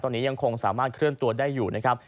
ตอนนี้ยังคงสามารถเคลื่อนตัวได้อยู่นะครับ